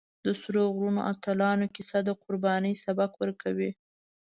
د سرو غرونو اتلانو کیسه د قربانۍ سبق ورکوي.